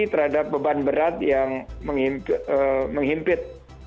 terhadap beban berat yang menghimpit